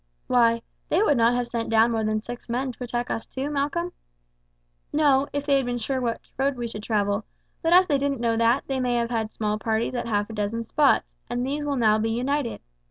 "Why, they would not have sent down more than six men to attack us two, Malcolm?" "No, if they had been sure which road we should travel; but as they didn't know that, they may have had small parties at half a dozen spots, and these will now be united.